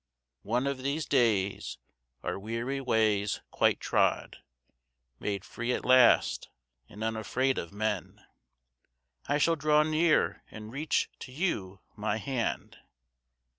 One of these days, our weary ways quite trod, Made free at last and unafraid of men, I shall draw near and reach to you my hand.